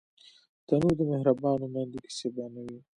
تنور د مهربانو میندو کیسې بیانوي